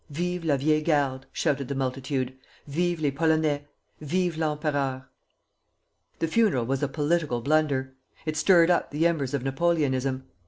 "Vive la Vieille Garde!" shouted the multitude; "Vive les Polonais! Vive l'empereur!" The funeral was a political blunder. It stirred up the embers of Napoleonism.